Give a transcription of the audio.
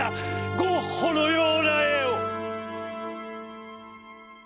ゴッホのような絵を」。